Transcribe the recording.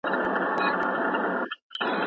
په ټولنه کي به مو نوم په نیکۍ یادیږي.